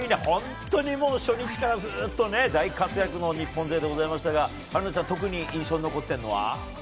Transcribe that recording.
本当にもう初日からずっと大活躍の日本勢でございましたが春奈ちゃん特に印象に残っているのは？